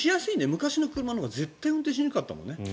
昔の車のほうが絶対に運転しにくかったもんね。